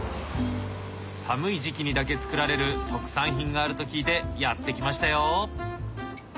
寒い時期にだけ作られる特産品があると聞いてやって来ましたよ。